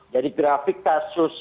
jadi grafik kasus